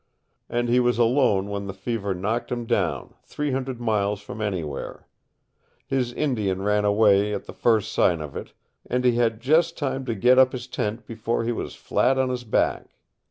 And he was alone when the fever knocked him down, three hundred miles from anywhere. His Indian ran away at the first sign of it, and he had just time to get up his tent before he was flat on his back.